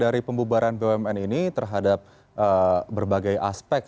dari pembubaran bumn ini terhadap berbagai aspek